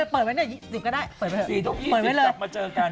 เปิดไว้หน่อย๑๐ก็ได้๔ทุ่ม๒๐กลับมาเจอกัน